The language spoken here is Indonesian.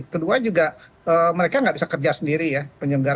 kedua juga mereka nggak bisa kerja sendiri ya